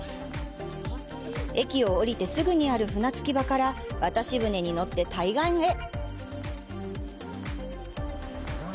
駅を降りてすぐにある船着場から渡し船に乗って対岸へ。